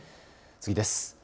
次です。